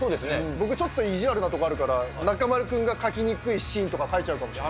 僕ちょっと意地悪なところあるから、中丸君が描きにくいシーンとか書いちゃうかもしれない。